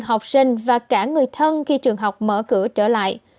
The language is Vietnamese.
học sinh và cả người thân khi trường học mở cửa trở lại